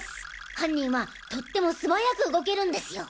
犯人はとっても素早く動けるんですよ！